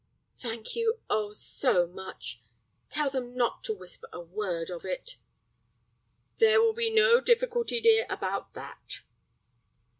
"Thank you, oh, so much. Tell them not to whisper a word of it." "There will be no difficulty, dear, about that."